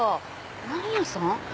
何屋さん？